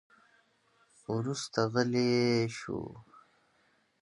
وروسته غلی شو.